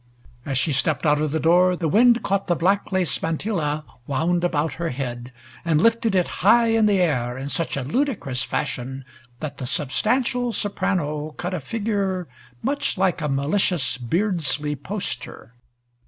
As she stepped out of the door, the wind caught the black lace mantilla wound about her head and lifted it high in the air in such a ludicrous fashion that the substantial soprano cut a figure much like a malicious Beardsly poster.